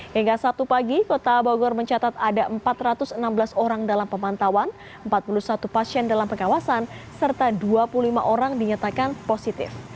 hingga sabtu pagi kota bogor mencatat ada empat ratus enam belas orang dalam pemantauan empat puluh satu pasien dalam pengawasan serta dua puluh lima orang dinyatakan positif